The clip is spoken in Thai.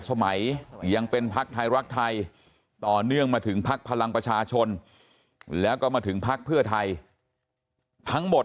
สมัยยังเป็นพักไทยรักไทยต่อเนื่องมาถึงพักพลังประชาชนแล้วก็มาถึงพักเพื่อไทยทั้งหมด